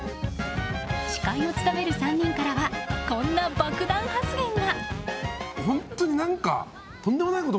司会を務める３人からはこんな爆弾発言が。